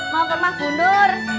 mau ke rumah bu nur